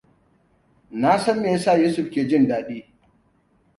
Na san me yasa Yusuf ke jin dadi.